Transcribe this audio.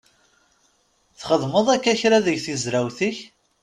Txeddmeḍ akka kra deg tezrawt-ik?